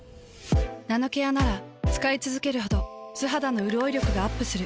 ナノケアなら使いつづけるほど素肌のうるおい力がアップする。